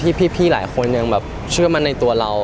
ที่พี่หลายคนเนี่ยเชื่อมันในตัวเรา